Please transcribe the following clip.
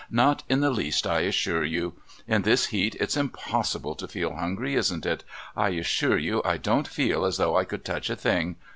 Not in the least, I assure you. In this heat it's impossible to feel hungry, isn't it? I assure you I don't feel as though I could touch a thing.